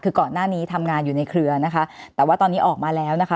คือก่อนหน้านี้ทำงานอยู่ในเครือนะคะแต่ว่าตอนนี้ออกมาแล้วนะคะ